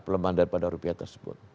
pelemahan daripada rupiah tersebut